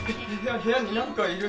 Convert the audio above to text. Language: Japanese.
部屋になんかいる！